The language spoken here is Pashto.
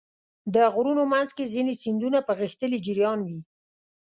د غرونو منځ کې ځینې سیندونه په غښتلي جریان وي.